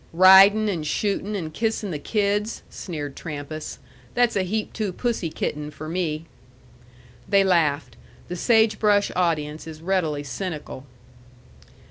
"Riding and shooting and kissing the kids," sneered Trampas. "That's a heap too pussy kitten for me." They laughed. The sage brush audience is readily cynical.